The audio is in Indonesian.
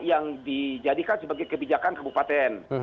yang dijadikan sebagai kebijakan kabupaten